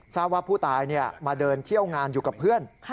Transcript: ทราบว่าผู้ตายมาเดินเที่ยวงานอยู่กับเพื่อน